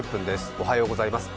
おはようございます。